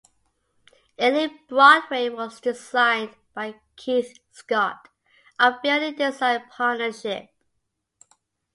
Ealing Broadway was designed by Keith Scott of Building Design Partnership.